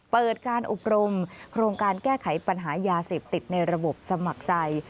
เปิดการอบรมโครงการแก้ไขปัญหายาเสพติดในระบบสมัครใจ